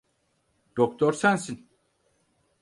Doktor sensin.